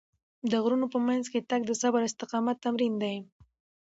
د غرونو په منځ کې تګ د صبر او استقامت تمرین دی.